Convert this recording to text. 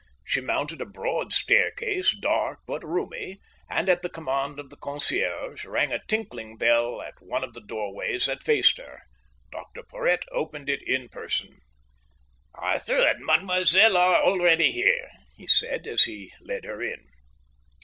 She mounted a broad staircase, dark but roomy, and, at the command of the concierge, rang a tinkling bell at one of the doorways that faced her. Dr Porhoët opened in person. "Arthur and Mademoiselle are already here," he said, as he led her in.